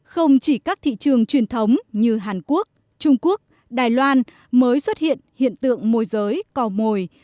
không chỉ các thị trường truyền thống như hàn quốc trung quốc đài loan mới xuất hiện hiện tượng môi giới cò mồi